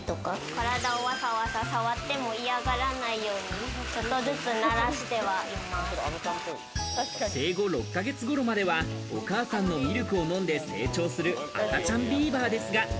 体をわさわさ触って、嫌がらないようにちょっとずつ慣らしてはい生後６か月頃までは、お母さんのミルクを飲んで成長する赤ちゃんビーバーですが。